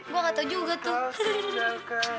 gue gak tau juga tuh